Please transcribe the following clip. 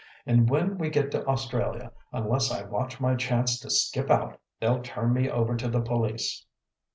And when we get to Australia, unless I watch my chance to skip out, they'll turn me over to the police."